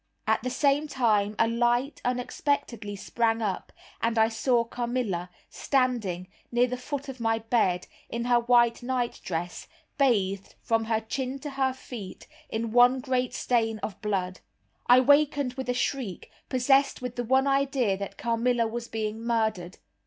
At the same time a light unexpectedly sprang up, and I saw Carmilla, standing, near the foot of my bed, in her white nightdress, bathed, from her chin to her feet, in one great stain of blood. I wakened with a shriek, possessed with the one idea that Carmilla was being murdered.